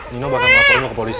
nino bahkan lapornya ke polisi